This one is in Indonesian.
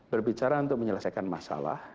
berbicara untuk menyelesaikan masalah